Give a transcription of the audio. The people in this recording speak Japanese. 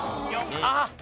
あっ！